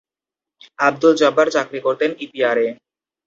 আবদুল জব্বার চাকরি করতেন ইপিআরে।